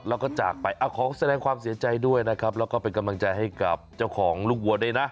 แล้วก็จากไปขอแสดงความเสียใจด้วยนะครับแล้วก็เป็นกำลังใจให้กับเจ้าของลูกวัวด้วยนะ